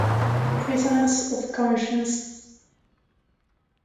Prisoners of Conscience